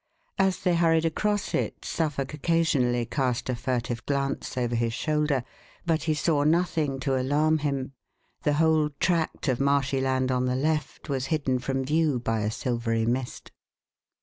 As they hurried across it, Suffolk occasionally cast a furtive glance over his shoulder, but he saw nothing to alarm him. The whole tract of marshy land on the left was hidden from view by a silvery mist.